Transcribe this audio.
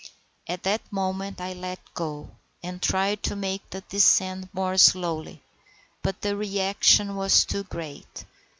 At that moment I let go, and tried to make the descent more slowly; but the reaction was too great.